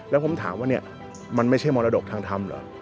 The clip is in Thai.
แล้วผมถามว่าเนี่ยมันไม่ใช่มรดกทางธรรมเหรอ